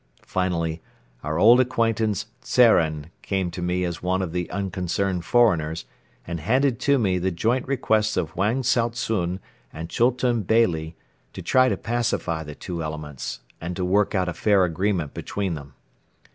Finally, our old acquaintance Tzeren came to me as one of the unconcerned foreigners and handed to me the joint requests of Wang Tsao tsun and Chultun Beyli to try to pacify the two elements and to work out a fair agreement between them.